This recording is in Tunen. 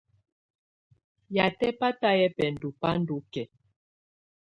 Yatɛ batayɛ bɛndɔ bá ndɔ́ kɛ̀á.